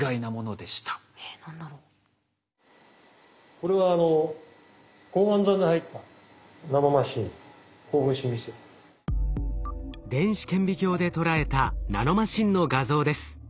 これは電子顕微鏡で捉えたナノマシンの画像です。